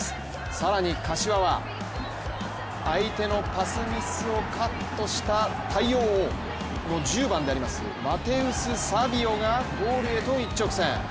更に柏は、相手のパスミスをカットした太陽王、１０番でありますマテウス・サヴィオがゴールへと一直線。